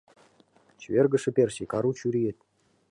Чевергыше персик — ару чуриет.